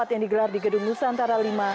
yang digelar di gedung nusantara v